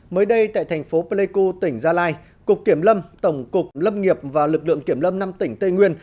mới đây tại thành phố pleiku tỉnh gia lai cục kiểm lâm tổng cục lâm nghiệp và lực lượng kiểm lâm năm tỉnh tây nguyên